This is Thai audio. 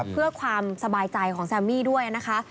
เพื่อความสบายใจของแซมมี่ด้วยนะคะ